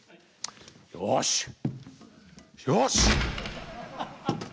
よしよしっ！